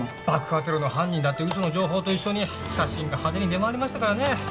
爆破テロの犯人だって嘘の情報と一緒に写真が派手に出回りましたからね